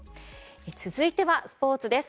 続いてはスポーツです。